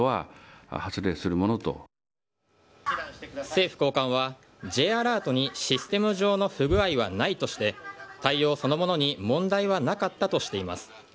政府高官はＪアラートにシステム上の不具合はないとして対応そのものに問題はなかったとしています。